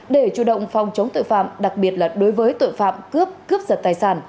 để chủ động phòng chống tội phạm đặc biệt là đối với tội phạm cướp cướp giật tài sản